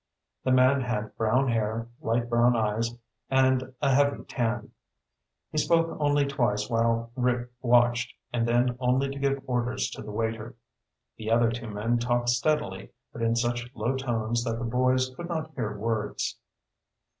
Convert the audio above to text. The man had brown hair, light brown eyes, and a heavy tan. He spoke only twice while Rick watched, and then only to give orders to the waiter. The other two men talked steadily, but in such low tones that the boys could not hear words.